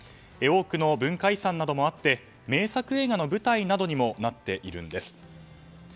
多くの文化遺産などもあって名作映画の舞台などにもなっているんです。